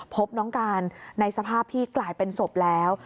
พบน้องการในสภาพที่กลายเป็นศพแล้ว